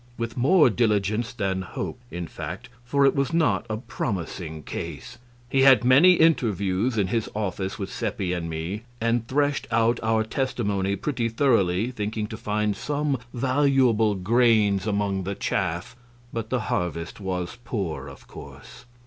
With more diligence than hope, in fact, for it was not a promising case. He had many interviews in his office with Seppi and me, and threshed out our testimony pretty thoroughly, thinking to find some valuable grains among the chaff, but the harvest was poor, of course.